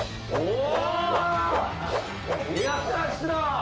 お！